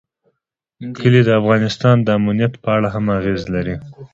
کلي د افغانستان د امنیت په اړه هم اغېز لري.